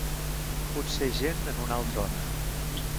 Potser gent en una altra ona.